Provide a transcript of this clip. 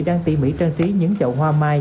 đang tỉ mỉ trang trí những chậu hoa mai